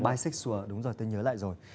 bisexual đúng rồi tôi nhớ lại rồi